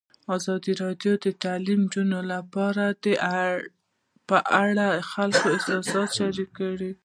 ازادي راډیو د تعلیمات د نجونو لپاره په اړه د خلکو احساسات شریک کړي.